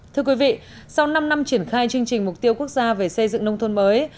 thưa quý vị sau năm năm triển khai chương trình mục tiêu quốc gia về xây dựng nông thôn mới